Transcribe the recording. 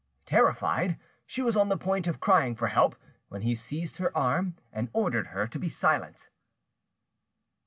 Terrified, she was on the point of crying for help, when he seized her arm and ordered her to be silent.